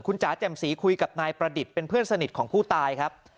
จ๋าแจ่มสีคุยกับนายประดิษฐ์เป็นเพื่อนสนิทของผู้ตายครับ